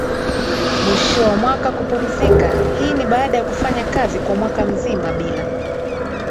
mwisho wa mwaka Kupumzika hii ni baada ya kufanya kazi kwa mwaka mzima bila